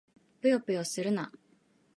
ぷよぷよするな！